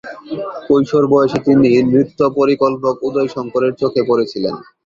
কৈশোর বয়সে তিনি নৃত্য পরিকল্পক উদয় শঙ্করের চোখে পড়েছিলেন।